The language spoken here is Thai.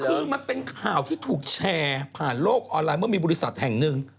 คือมันเป็นข่าวที่ถูกแชร์ผ่านโลกออนไลน์เมื่อมีบริษัทแห่งหนึ่ง